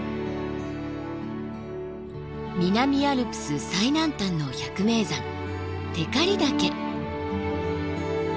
南アルプス最南端の百名山光岳。